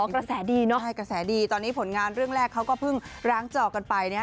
กระแสดีเนาะใช่กระแสดีตอนนี้ผลงานเรื่องแรกเขาก็เพิ่งร้างจอกกันไปนะฮะ